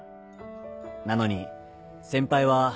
なのに先輩は。